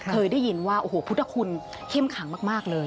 เคยได้ยินว่าโอ้โหพุทธคุณเข้มขังมากเลย